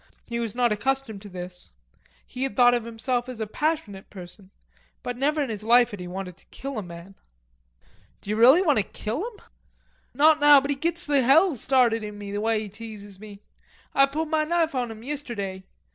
He was not accustomed to this. He had thought of himself as a passionate person, but never in his life had he wanted to kill a man. "D'you really want to kill him?" "Not now, but he gits the hell started in me, the way he teases me. Ah pulled ma knife on him yisterday.